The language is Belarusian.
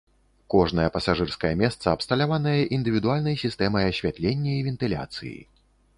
Кожнае пасажырскае месца абсталяванае індывідуальнай сістэмай асвятлення і вентыляцыі.